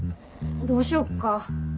どうしよっか？